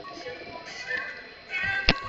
城市平均海拔为。